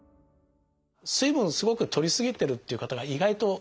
水分すごくとりすぎてるっていう方が意外と現代多いですね。